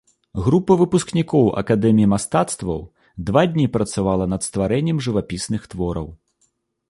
Група выпускнікоў акадэміі мастацтваў два дні працавала над стварэннем жывапісных твораў.